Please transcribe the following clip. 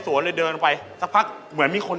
พ้ออีกเดี๋ยวเหมือนก่อน